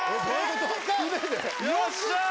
よっしゃー。